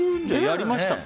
やりましたか？